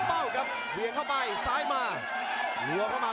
ประโยชน์ทอตอร์จานแสนชัยกับยานิลลาลีนี่ครับ